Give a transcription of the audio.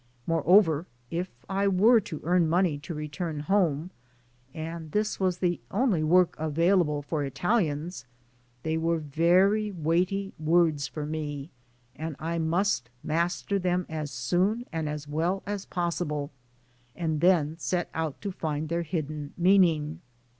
Moreover, if I were to earn money to return home and this was the only work available for Italians, they were very weighty words for me, and I must master them as soon and as well as possible and then set out to find their hidden meaning.